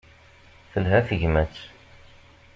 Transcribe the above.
Telha tegmat.